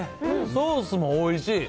ソースもおいしい。